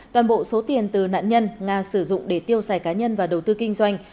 toàn bộ số tiền từ nạn nhân nga sử dụng để tiêu xài cá nhân và đầu tư kinh doanh